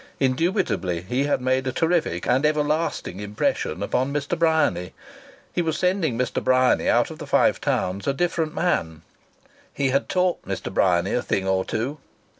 Indubitably he had made a terrific and everlasting impression upon Mr. Bryany. He was sending Mr. Bryany out of the Five Towns a different man. He had taught Mr. Bryany a thing or two.